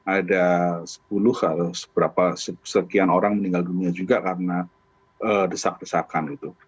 ada sepuluh sekian orang meninggal dunia juga karena desak desakan itu